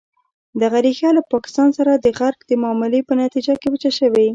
دغه ریښه له پاکستان سره د غرب د معاملې په نتیجه کې وچه شوې.